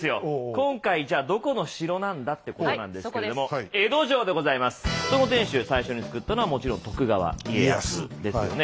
今回じゃあどこの城なんだってことなんですけどもその天守を最初に造ったのはもちろん徳川家康ですよね。